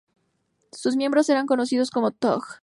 Sus miembros eran conocidos como "thug".